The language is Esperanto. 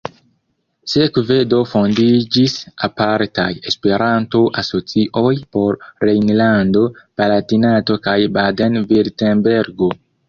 Sekve do fondiĝis apartaj Esperanto-asocioj por Rejnlando-Palatinato kaj Baden-Virtembergo.